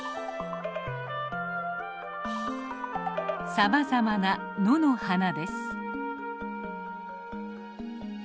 さまざまな野の花です。